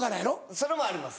それもあります。